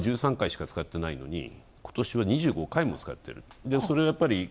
１３回しか使ってないのに今年は２５回も。